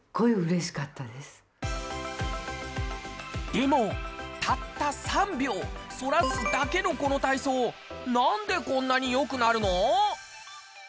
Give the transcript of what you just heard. でも、たった３秒反らすだけのこの体操なんでこんなに良くなるの？